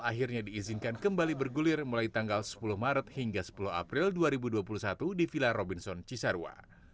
akhirnya diizinkan kembali bergulir mulai tanggal sepuluh maret hingga sepuluh april dua ribu dua puluh satu di villa robinson cisarua